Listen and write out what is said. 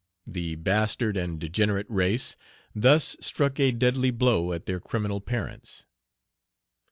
The "bastard and degenerate race" thus struck a deadly blow at their criminal parents.